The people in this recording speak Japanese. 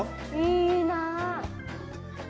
いいな。